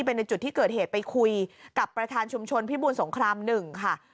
ในจุดที่เกิดเหตุไปคุยกับประธานชุมชนพิบูรสงคราม๑ค่ะ